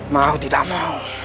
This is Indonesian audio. mau tidak mau